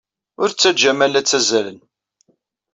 Ur ttajja aman la ttazzalen.